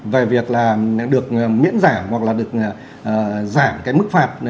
về việc là được miễn giảm hoặc là được giảm cái mức phạt